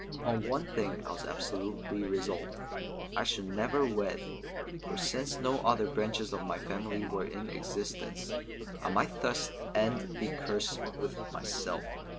Upon one thing I was absolutely resolved. I should never wed, for since no other branches of my family were in existence, I might thus end the curse with myself.